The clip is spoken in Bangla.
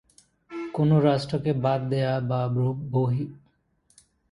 কোন রাষ্ট্রকে বাদ দেওয়া বা বহিষ্কৃত করার কোন বিধান নেই।